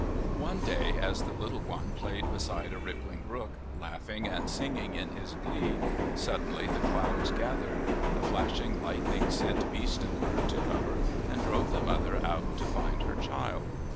"One day as the little one played beside a rippling brook, laughing and singing in his glee, suddenly the clouds gathered, the flashing lightning sent beast and bird to cover, and drove the mother out to find her child.